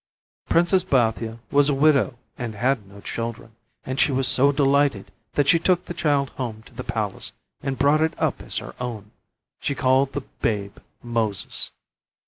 Princess Bathia was a widow and had no children, and she was so delighted that she took the child home to the palace and brought it up as her own. She called the babe Moses.